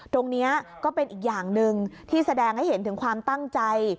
ตรงนี้ก็เป็นอีกอย่างหนึ่งที่แสดงให้เห็นถึงความตั้งใจ